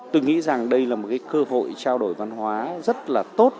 tôi nghĩ rằng đây là một cái cơ hội trao đổi văn hóa rất là tốt